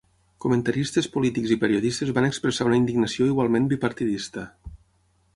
Comentaristes polítics i periodistes van expressar una indignació igualment bipartidista.